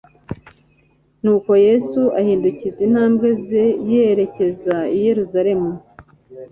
Nuko Yesu ahindukiza intambwe ze yerekeza i Yelusalemu,